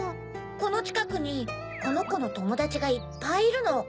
このちかくにこのコのともだちがいっぱいいるの。